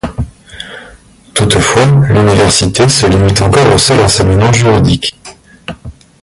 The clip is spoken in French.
Toutefois, l'université se limite encore au seul enseignement juridique.